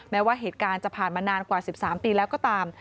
แม้ว่าเหตุการณ์จะผ่านมานานกว่า๑๓ปีแล้วก็ตาม